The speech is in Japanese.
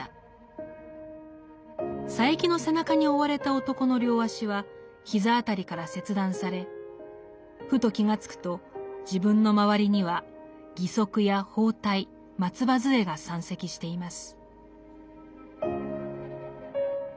佐柄木の背中に負われた男の両脚は膝辺りから切断されふと気が付くと自分の周りには義足や包帯松葉づえが山積しています。